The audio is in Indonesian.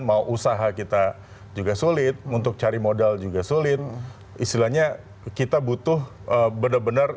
mau usaha kita juga sulit untuk cari modal juga sulit istilahnya kita butuh benar benar